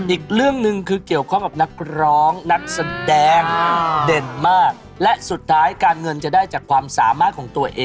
อีกเรื่องหนึ่งคือเกี่ยวข้องกับนักร้องนักแสดงเด่นมาก